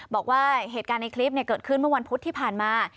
บอกว่าเหตุการณ์ในคลิปเกิดขึ้นเมื่อวันพุธที่ผ่านมา